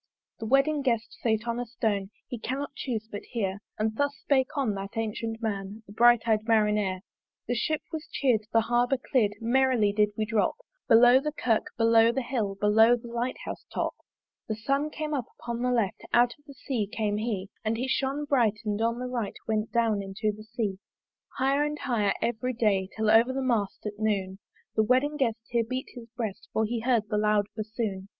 The wedding guest sate on a stone, He cannot chuse but hear: And thus spake on that ancyent man, The bright eyed Marinere. The Ship was cheer'd, the Harbour clear'd Merrily did we drop Below the Kirk, below the Hill, Below the Light house top. The Sun came up upon the left, Out of the Sea came he: And he shone bright, and on the right Went down into the Sea. Higher and higher every day, Till over the mast at noon The wedding guest here beat his breast, For he heard the loud bassoon.